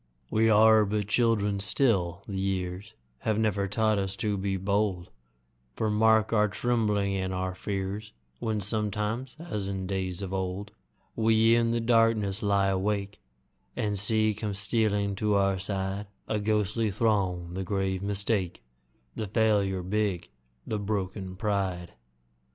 We are but children still, the years Have never taught us to be bold, For mark our trembling and our fears When sometimes, as in days of old, We in the darkness lie awake, And see come stealing to our side A ghostly throng the grave Mistake, The Failure big, the broken Pride.